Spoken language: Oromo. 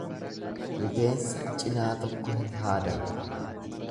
Rifeensa cinaa tokko hin haadan.